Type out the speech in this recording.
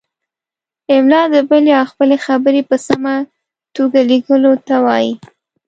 املاء د بل یا خپلې خبرې په سمه توګه لیکلو ته وايي.